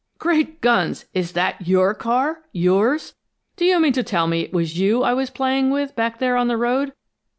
"Great guns! Is that your car, yours? Do you mean to tell me it was you I was playing with, back there on the road?